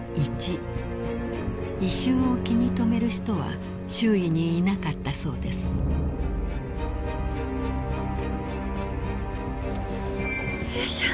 ［異臭を気に留める人は周囲にいなかったそうです］よいしょ。